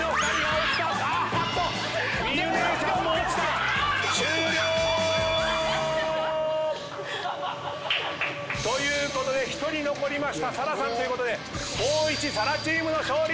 望結姉ちゃんも落ちた。ということで１人残りました紗来さんということで光一・紗来チームの勝利！